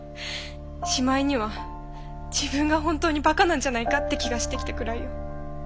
しまいには自分が本当にバカなんじゃないかって気がしてきたくらいよ。